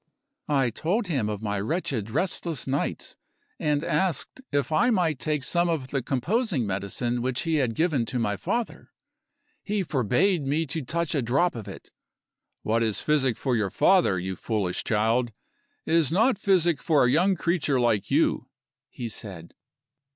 I told him of my wretched restless nights; and asked if I might take some of the composing medicine which he had given to my father. He forbade me to touch a drop of it. "What is physic for your father, you foolish child, is not physic for a young creature like you," he said.